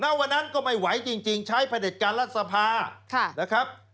ณวันนั้นก็ไม่ไหวจริงใช้ผลิตการรัฐสภาคุณครับ